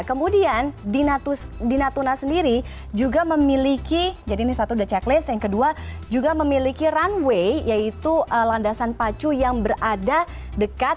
kemudian di natuna sendiri juga memiliki jadi ini satu the checklist yang kedua juga memiliki runway yaitu landasan pacu yang berada dekat